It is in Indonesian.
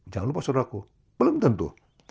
jangan lupa saudara aku belum tentu